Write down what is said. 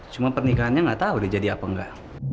cuma pernikahannya gak tau udah jadi apa enggak